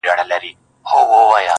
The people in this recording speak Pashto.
o خړسایل مي د لفظونو شاهنشا دی,